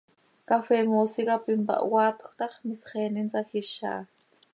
Cafee moosi cap impahoaatjö ta x, misxeen insajíz aha.